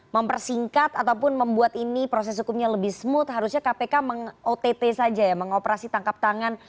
mempersingkat ataupun membuat ini proses hukumnya lebih smooth harusnya kpk meng ott saja ya mengoperasi tangkap tangan